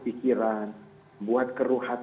berita yang membuat keruh pikiran